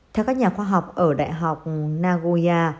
theo các nhà khoa học ở đại học nagoya